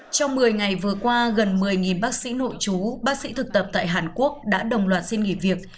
trong một mươi ngày vừa qua gần một mươi bác sĩ nội chú bác sĩ thực tập tại hàn quốc đã đồng loạt xin nghỉ việc